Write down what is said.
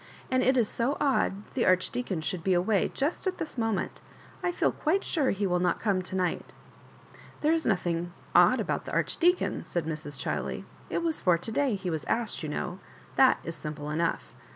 And it is so odd the Archdeacon should be away just at this moment I feel quite sure he will not come to night" " There is nothing odd about the Archdeacon," said Mrs. Chiley. "It was for to day he was asked, you know; that is simple enough.